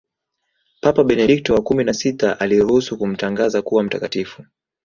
Papa Benedikto wa kumi na sita aliruhusu kumtangaza kuwa mtakatifu